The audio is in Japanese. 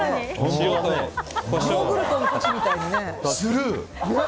スルー。